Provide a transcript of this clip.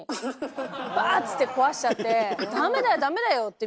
バーッつって壊しちゃってダメだよダメだよ！って